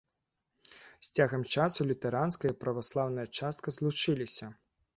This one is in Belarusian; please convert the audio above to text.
З цягам часу лютэранская і праваслаўная частка злучыліся.